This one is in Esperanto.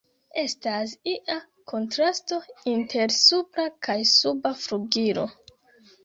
Estas ia kontrasto inter supra kaj suba flugilo.